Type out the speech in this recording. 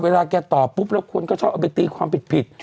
เวลาแก่นก็ชอบเอาไปตีความผิดผิด